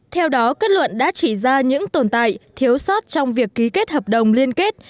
theo đó kết luận đã chỉ ra những tồn tại thiếu sót trong việc ký kết hợp đồng liên kết